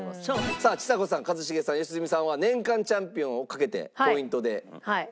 さあちさ子さん一茂さん良純さんは年間チャンピオンをかけてポイントで争って頂きます。